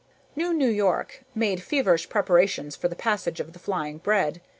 NewNew York made feverish preparations for the passage of the flying bread.